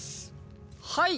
はい。